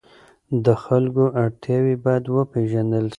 د خلکو اړتیاوې باید وپېژندل سي.